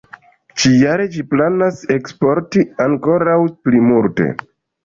Ĉi-jare ĝi planas eksporti ankoraŭ pli multe.